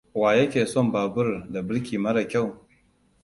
Wa yake son babur da burki mara kyau?